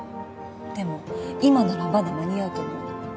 でも今ならまだ間に合うと思うの。